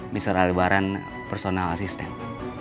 mr ali baran personal assistant